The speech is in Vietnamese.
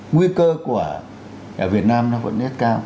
nguy cơ của việt nam nó vẫn rất cao